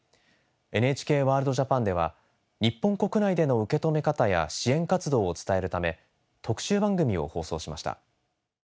「ＮＨＫＷＯＲＬＤＪＡＰＡＮ」では日本国内での受け止め方や支援活動を伝えるため特集番組を放送しました。